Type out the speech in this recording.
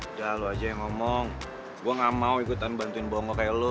udah lu aja yang ngomong gue gak mau ikutan bantuin bonggo kayak lo